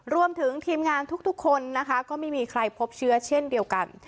รวมถึงทีมงานทุกคนนะคะก็ไม่มีใครพบเชื้อเช่นเดียวกัน